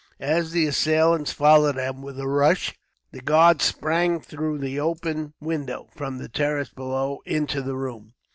As the assailants followed them with a rush, the guard sprang through the open window, from the terrace below, into the room.